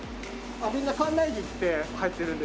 みんな館内着着て入ってるんで。